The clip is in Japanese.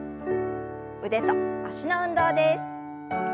腕と脚の運動です。